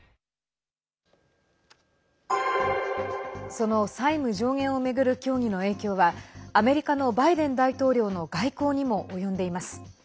その債務上限を巡る協議の影響はアメリカのバイデン大統領の外交にも及んでいます。